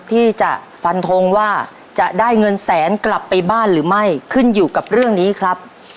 ที่จะฟันทงว่าจะได้เงินแสนกลับไปบ้านหรือไม่ขึ้นอยู่กับเรื่องนี้ครับ